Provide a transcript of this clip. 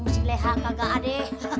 ampun si leha kagak ada